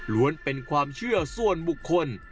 เป็นความเชื่อส่วนบุคคล